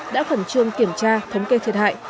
đã khẩn trương kiểm tra thống kê thiệt hại